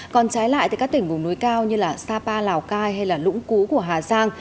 còn trái lại thì các tỉnh vùng núi cao như sapa lào cai hay lũng cú của hà giang